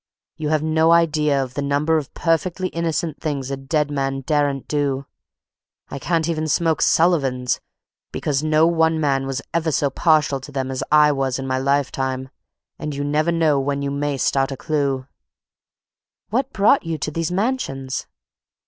You have no idea of the number of perfectly innocent things a dead man daren't do. I can't even smoke Sullivans, because no one man was ever so partial to them as I was in my lifetime, and you never know when you may start a clew." "What brought you to these mansions?"